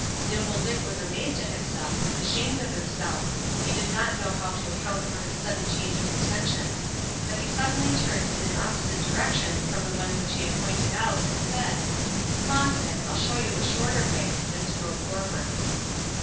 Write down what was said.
Nimble Dick was amazed at himself and ashamed of himself; he did not know how to account for his sudden change of intention. But he suddenly turned in an opposite direction from the one which he had pointed out, and said, "Come on, then; I'll show you a shorter way," and strode forward.